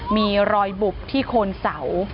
มีรอยบุบที่โคนเสา